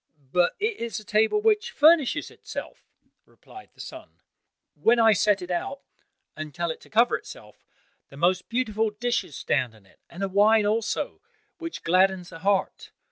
"But it is a table which furnishes itself," replied the son. "When I set it out, and tell it to cover itself, the most beautiful dishes stand on it, and a wine also, which gladdens the heart.